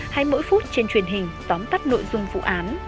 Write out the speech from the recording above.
hay mỗi phút trên truyền hình tóm tắt nội dung vụ án